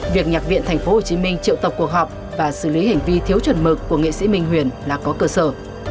việc nhạc viện tp hcm triệu tập cuộc họp và xử lý hành vi thiếu chuẩn mực của nghệ sĩ minh huyền là có cơ sở